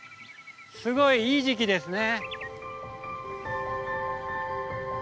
すごいいい時期ですね。